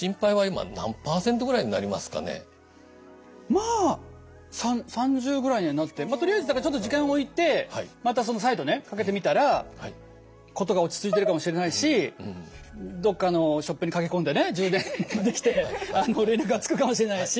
まあ３０ぐらいにはなってとりあえずだからちょっと時間置いてまた再度ねかけてみたら事が落ち着いてるかもしれないしどっかのショップに駆け込んでね充電できて連絡がつくかもしれないし。